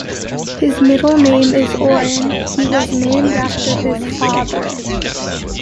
His middle name is Orin; he was named after his father.